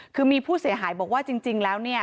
คือมีผู้เสียหายบอกว่าจริงแล้วเนี่ย